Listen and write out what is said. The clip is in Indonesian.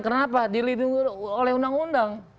kenapa dilindungi oleh undang undang